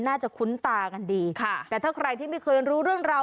คุ้นตากันดีค่ะแต่ถ้าใครที่ไม่เคยรู้เรื่องราว